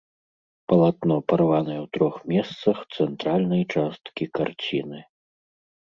Палатно парванае ў трох месцах цэнтральнай часткі карціны.